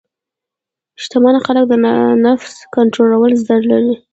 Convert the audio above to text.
شتمن خلک د نفس کنټرول زده لري.